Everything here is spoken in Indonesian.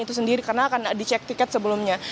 itu sendiri karena akan dicek tiket sebelumnya